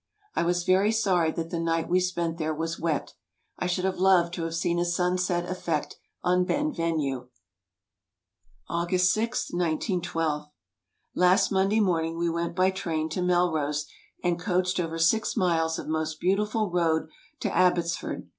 I was very sorry that the night we spent there was wet. I should have loved to have seen a sunset effect on Ben Venue. August 6, 1912 Last Monday morning we went by train to Melrose and coached over six miles of most beautiful road to Abbots ford.